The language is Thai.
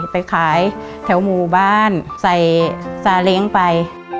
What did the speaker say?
ไปขายแถวหมู่บ้านใส่ซาเล้งไป